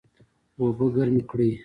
اوبه ګرمې کړئ